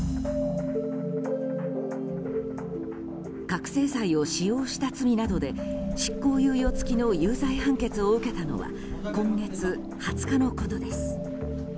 覚醒剤を使用した罪などで執行猶予付きの有罪判決を受けたのは今月２０日のことです。